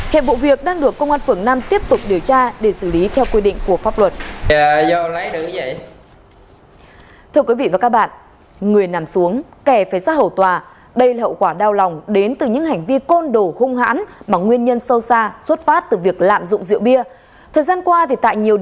hiện vụ việc đang được công an phường năm tiếp tục điều tra để xử lý theo quy định của pháp luật